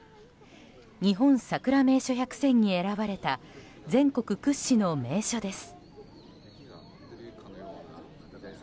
日本さくら名所１００選に選ばれた全国屈指の名所です。